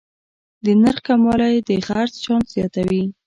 د نرخ کموالی د خرڅ چانس زیاتوي.